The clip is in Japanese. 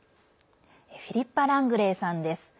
フィリッパ・ラングレーさんです。